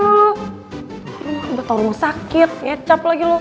lu mah udah tau lo mau sakit ngecap lagi lo